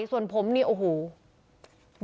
ส่วนผมนี่โอ้โห